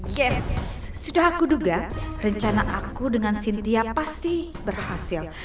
yes sudah aku duga rencana aku dengan cynthia pasti berhasil